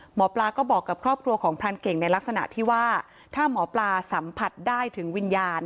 หมอปลาก็บอกกับครอบครัวของพรานเก่งในลักษณะที่ว่าถ้าหมอปลาสัมผัสได้ถึงวิญญาณ